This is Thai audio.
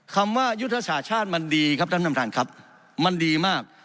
คำว่ายุทธศาสตร์ชาติมันดีครับท่านประธานครับมันดีมาก